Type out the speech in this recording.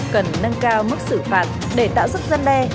cần nâng cao mức xử phạt để tạo sức gian đe